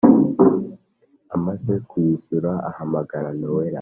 amaze kuyishyura ahamagara nowela